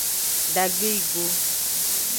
Dagbe yi go.